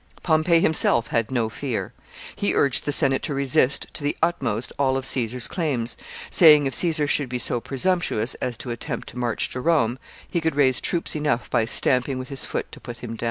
Pompey himself had no fear. He urged the Senate to resist to the utmost all of Caesar's claims, saying, if Caesar should be so presumptuous as to attempt to march to Rome, he could raise troops enough by stamping with his foot to put him down.